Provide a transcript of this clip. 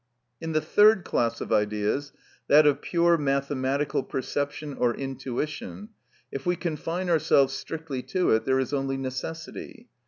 In the third class of ideas, that of pure mathematical perception or intuition, if we confine ourselves strictly to it, there is only necessity.